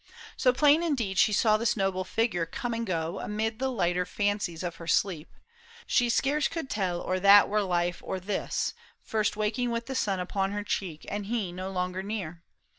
So plain indeed She saw this noble figure come and go Amid the lighter fancies of her sleep, She scarce could tell or that were life or this First waking with the sun upon her cheek And he no longer near.